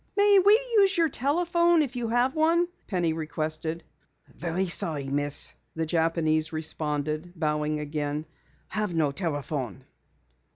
"May we use your telephone if you have one?" Penny requested. "So very sorry, Miss," the Japanese responded, bowing again. "Have no telephone."